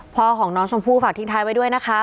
พ่อของน้องชมพู่ฝากทิ้งท้ายไว้ด้วยนะคะ